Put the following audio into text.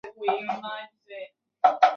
他是刚铎。